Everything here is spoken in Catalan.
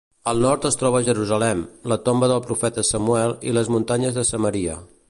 Al nord es troba Jerusalem, la tomba del profeta Samuel i les muntanyes de Samaria.